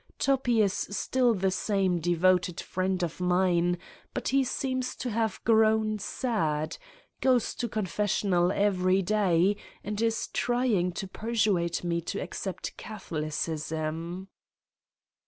Toppi is still the same devoted friend of mine but he seems to have grown sad, goes to confessional every day and is trying to persuade me to accept Catholicism.